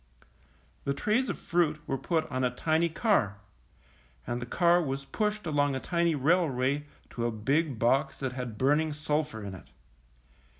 The trays of fruit were put on a tiny car, and the car was pushed along a tiny railway to a big box that had burning sulphur in it.